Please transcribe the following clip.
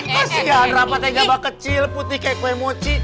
kasian rapa tenggabah kecil putih kayak kue mochi